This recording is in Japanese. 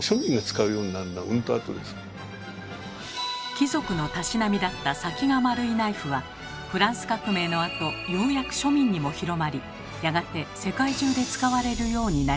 貴族のたしなみだった「先が丸いナイフ」はフランス革命のあとようやく庶民にも広まりやがて世界中で使われるようになりました。